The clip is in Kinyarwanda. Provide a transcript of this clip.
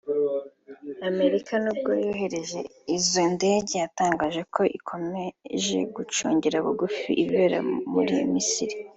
Amerika nubwo yohereje izo ndege yatangaje ko ikomeje gucungira bugufi ibibera mu Misiri